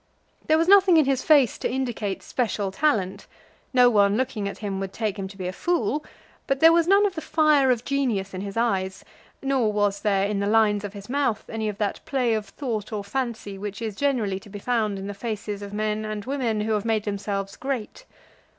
There was nothing in his face to indicate special talent. No one looking at him would take him to be a fool; but there was none of the fire of genius in his eye, nor was there in the lines of his mouth any of that play of thought or fancy which is generally to be found in the faces of men and women who have made themselves great.